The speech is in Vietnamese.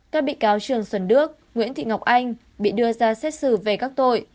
các bị cáo trường xuân đức nguyễn thị ngọc anh bị đưa ra xét xử về các tội